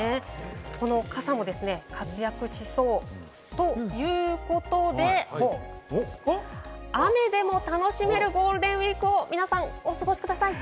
この傘も活躍しそう。ということで、雨でも楽しめるゴールデンウイークを皆さん、お過ごしください。